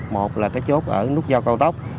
một là chốt ở nút giao cao tốc